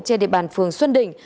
trên địa bàn phường xuân định